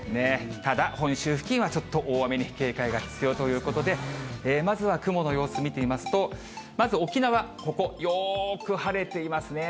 ただ、本州付近はちょっと大雨に警戒が必要ということで、まずは雲の様子見てみますと、まず沖縄、ここ、よーく晴れていますね。